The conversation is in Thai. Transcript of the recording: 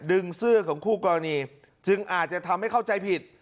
ดึงเสื้อของคู่กรณีจึงอาจจะทำให้เข้าใจผิด